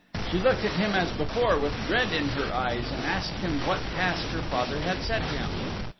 She looked at him as before with dread in thier eyes and asked him what task her father had set him.